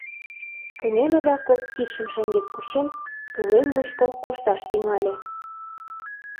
Кынеле да, кок кидшым шеҥгек кучен, пӧлем мучко кошташ тӱҥале.